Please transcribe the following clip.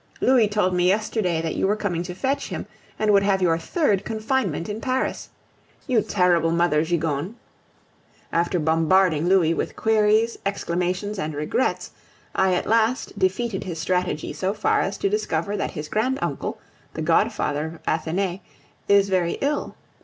Louis told me yesterday that you were coming to fetch him, and would have your third confinement in Paris you terrible mother Gigogne! After bombarding Louis with queries, exclamations, and regrets, I at last defeated his strategy so far as to discover that his grand uncle, the godfather of Athenais, is very ill.